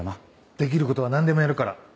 できることは何でもやるから。